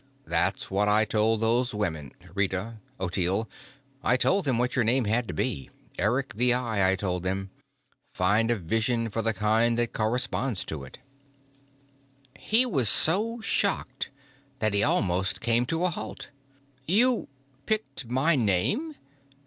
That's what I told those women Rita, Ottilie I told them what your name had to be. Eric the Eye, I told them. Find a vision for the kind that corresponds to it." He was so shocked that he almost came to a halt. "You picked my name?